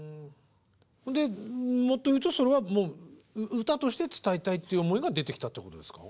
でもっと言うとそれはもう歌として伝えたいっていう思いが出てきたってことですか？